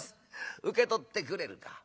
「受け取ってくれるか。